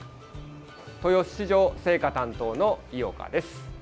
豊洲市場青果担当の井岡です。